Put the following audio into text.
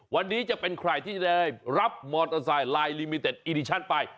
วันนี้จะเป็นใครที่ได้รับมอเตอร์ไซค์ลายลิมิเต็ดอีดิชั่นไป